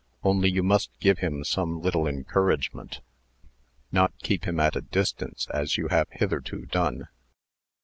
Only you must give him some little encouragement. Not keep him at a distance, as you have hitherto done."